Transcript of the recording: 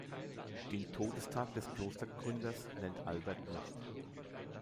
Den Todestag des Klostergründers nennt Albert nicht.